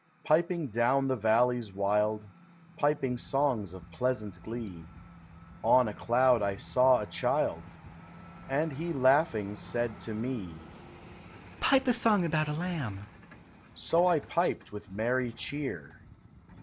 Piping down the valleys wild, Piping songs of pleasant glee, On a cloud I saw a child. And he laughing said to me: —*' Pipe a song about a lamb: " So I piped with merry cheer.